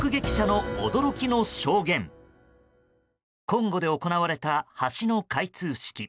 コンゴで行われた橋の開通式。